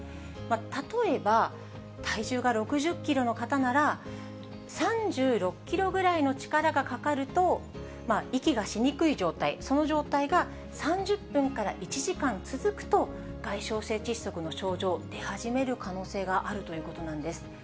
例えば体重が６０キロの方なら、３６キロぐらいの力がかかると、息がしにくい状態、その状態が３０分から１時間続くと、外傷性窒息の症状、出始める可能性があるということなんです。